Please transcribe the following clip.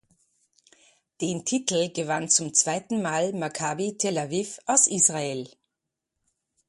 Den Titel gewann zum zweiten Mal Maccabi Tel Aviv aus Israel.